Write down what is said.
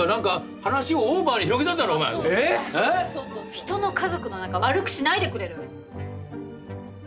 人の家族の仲悪くしないでくれる！？